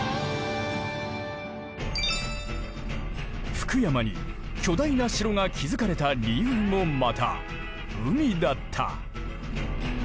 福山に巨大な城が築かれた理由もまた海だった。